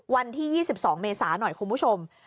วันที่๒๒เมษาหน่อยคุณผู้ชม